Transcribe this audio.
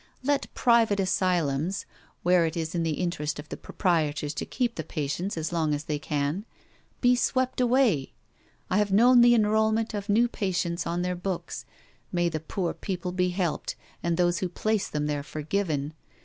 Let private asylums, where it is in the interest of the proprietors to keep the patients as long as they can, be swept away. I have known the enrolment of new patients on their books may the poor people be helped, and those who place them there forgiven!